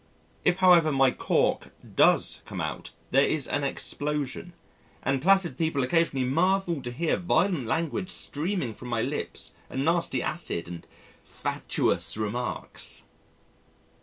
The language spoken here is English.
If however my cork does come out, there is an explosion, and placid people occasionally marvel to hear violent language streaming from my lips and nasty acid and facetious remarks.